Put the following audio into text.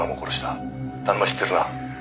「田沼知ってるな？」